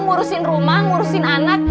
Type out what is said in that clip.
ngurusin rumah ngurusin anak